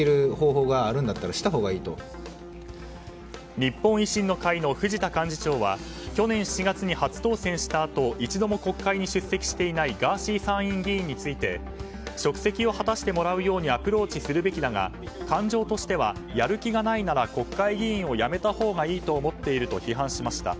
日本維新の会の藤田幹事長は去年７月に初当選したあと一度も国会に出席していないガーシー参院議員について職責を果たしてもらうようにアプローチするべきだが感情としては、やる気がないなら国会議員を辞めたほうがいいと思っていると批判しました。